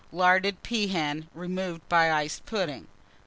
Larded Peahen, removed by Iced Pudding.